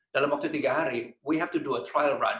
dalam waktu tiga hari kita harus melakukan perjalanan percobaan